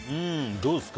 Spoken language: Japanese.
どうですか？